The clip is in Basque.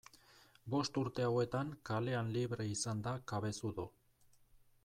Bost urte hauetan kalean libre izan da Cabezudo.